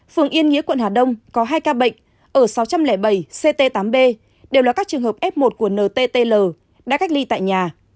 phường yên nghĩa quận hà đông có hai ca bệnh ở sáu trăm linh bảy ct tám b đều là các trường hợp f một của nttl đã cách ly tại nhà